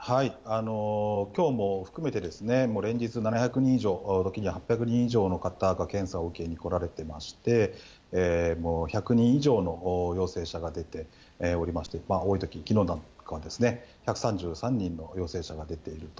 きょうも含めて、もう連日７００人以上、時に８００人以上の方が検査を受けに来られてまして、もう１００人以上の陽性者が出ておりまして、多いとき、きのうなんかは１３３人の陽性者が出ていると。